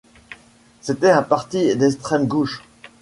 C'était un parti d'extrême gauche.